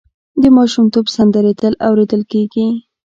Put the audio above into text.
د ماشومتوب سندرې تل اورېدل کېږي.